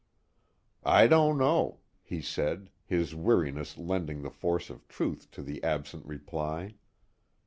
"I don't know," he said, his weariness lending the force of truth to the absent reply.